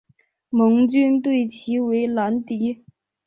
盟军对其为兰迪。